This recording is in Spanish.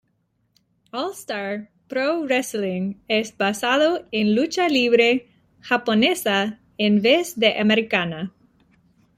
All Star Pro-Wrrestling es basado en lucha libre japonesa en vez de americana.